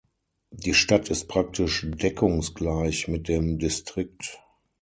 Die Stadt ist praktisch deckungsgleich mit dem Distrikt.